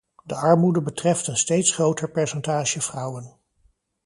De armoede betreft een steeds groter percentage vrouwen.